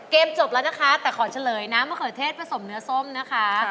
จบแล้วนะคะแต่ขอเฉลยน้ำมะเขือเทศผสมเนื้อส้มนะคะ